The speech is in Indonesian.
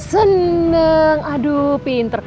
senang aduh pinter